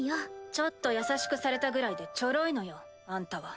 ちょっと優しくされたぐらいでチョロいのよあんたは。